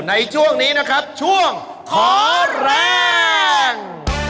ในช่วงนี้นะครับช่วงขอแรง